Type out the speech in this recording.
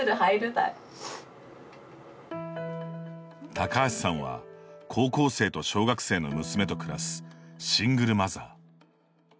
高橋さんは、高校生と小学生の娘と暮らすシングルマザー。